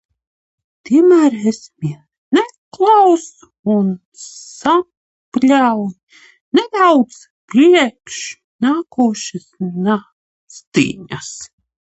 Tomēr es viņu neklausīju un sapļāvu nedaudz priekš nākošās nastiņas.